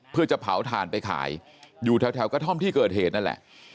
เพื่อจะเผาถ่านไปขายอยู่แถวกระท่อมที่เกิดเหตุนั่นแหละ